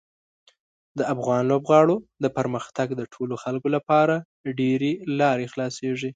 د افغان لوبغاړو د پرمختګ د ټولو خلکو لپاره ډېرې لارې خلاصیږي.